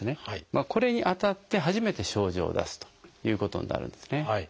これに当たって初めて症状を出すということになるんですね。